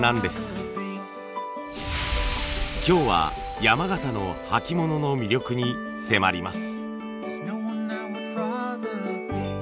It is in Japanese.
今日は山形の履物の魅力に迫ります。